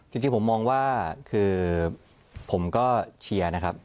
จริงผมมองว่าคือผมก็เชียร์นะครับ